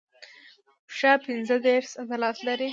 پښه پنځه دیرش عضلات لري.